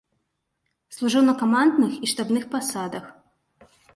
Служыў на камандных і штабных пасадах.